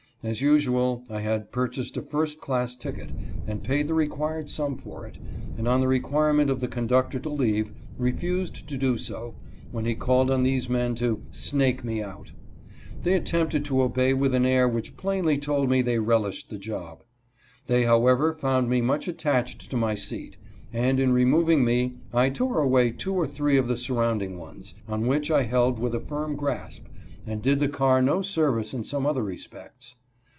As usual, I had purchased a first class ticket and paid the required sum for it, and on the requirement of the conductor to leave, refused to do so, when he called on these men to " snake me out." They attempted to obey with an air which plainly told me they relished the job. They however found me much attached to my seat, and in removing me I tore away two or three of the sur rounding ones, on which I held with a firm grasp, and did the car no service in some other respects.